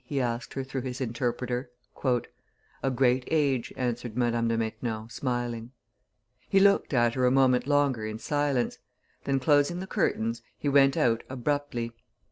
he asked her through his interpreter. "A great age," answered Madame de Maintenon, smiling. He looked at her a moment longer in silence; then, closing the curtains, he went out abruptly.